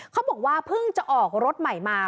เขาบอกว่าเพิ่งจะออกรถใหม่มา